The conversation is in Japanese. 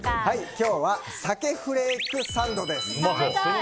今日は鮭フレークサンドです。